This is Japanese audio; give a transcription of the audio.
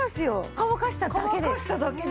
乾かしただけで。